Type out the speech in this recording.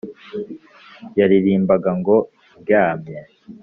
yaririmbaga ngo ndyame.